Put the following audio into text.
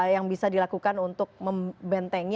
yang bisa dilakukan untuk membentengi